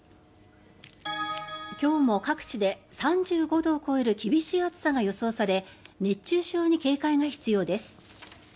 今日も各地で３５度を超える厳しい暑さが予想され熱中症に警戒が必要です。